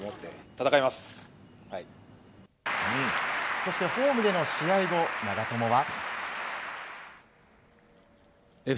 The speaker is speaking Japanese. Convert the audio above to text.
そしてホームでの試合後、長友は。